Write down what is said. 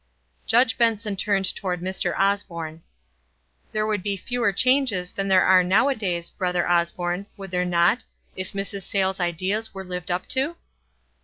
Judge Benson turned toward Mr. Osborne. "There would be fewer changes than there are nowadays, Brother Osborne, would there not, if Mrs. Sayles' ideas were lived up to?"